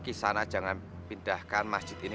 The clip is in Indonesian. kisana jangan pindahkan masjid ini